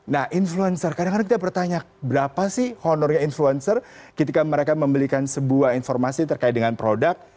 nah influencer kadang kadang kita bertanya berapa sih honornya influencer ketika mereka membelikan sebuah informasi terkait dengan produk